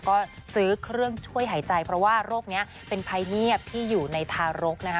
ก็ซื้อเครื่องช่วยหายใจเพราะว่าโรคนี้เป็นภัยเงียบที่อยู่ในทารกนะคะ